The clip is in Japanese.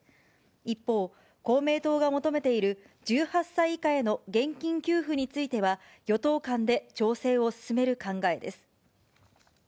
一方、公明党が求めている１８歳以下への現金給付については、与党間で調整を進める考えです。